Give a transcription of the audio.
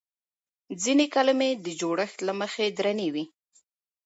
ځينې کلمې د جوړښت له مخې درنې وي.